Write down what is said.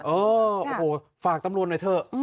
โอ้โหฝากตำรวจไว้เถอะ